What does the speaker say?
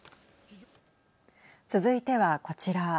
続いてはこちら。